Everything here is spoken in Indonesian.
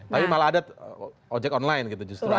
tapi malah ada ojek online gitu justru